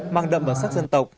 mang đậm vào sắc dân tộc